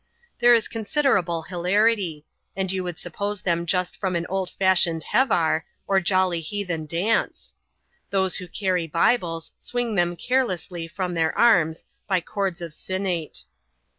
Inhere is considerable hilarity ; and you would suppose them just from an old fashioned "hevar," or jolly heathen dance. Those who carry Bibles, swing them carelessly from their arms, by cords of sinnate.